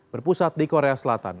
berpusat di korea selatan